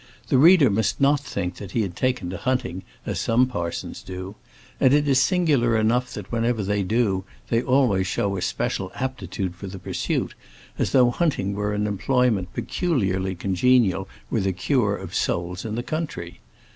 The reader must not think that he had taken to hunting, as some parsons do; and it is singular enough that whenever they do so they always show a special aptitude for the pursuit, as though hunting were an employment peculiarly congenial with a cure of souls in the country.